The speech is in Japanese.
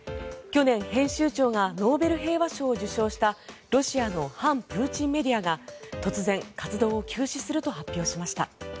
去年、編集長がノーベル平和賞を受賞したロシアの反プーチンメディアが突然、活動を休止すると発表しました。